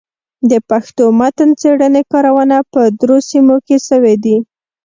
د پښتو متن څېړني کارونه په درو سيمو کي سوي دي.